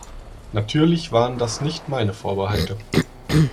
Natürlich waren das nicht meine Vorbehalte.